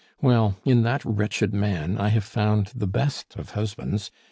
Well, in that wretched man, I have found the best of husbands.